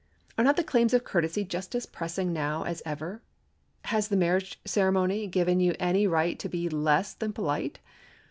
Are not the claims of courtesy just as pressing now as ever? Has the marriage ceremony given you any right to be less than polite?